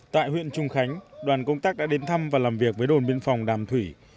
tại huyện trung khánh đoàn công tác đã đến thăm và làm việc với đồn biên phòng đàm thủy